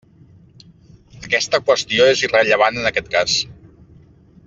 Aquesta qüestió és irrellevant en aquest cas.